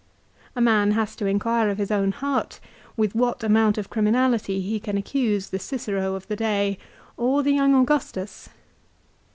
A man has to inquire of his own heart with what amount of criminality he can accuse the Cicero of the day, or the young Augustus.